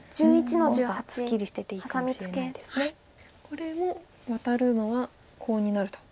これもワタるのはコウになると。